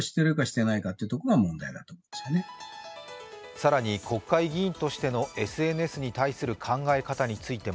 更に、国会議員としてのＳＮＳに対する考え方についても